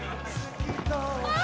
あ！